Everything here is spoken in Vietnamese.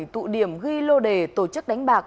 bảy tụ điểm ghi lô đề tổ chức đánh bạc